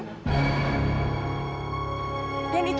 dan itu aja yang aku inginkan ya